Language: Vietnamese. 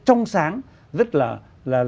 trong sáng rất là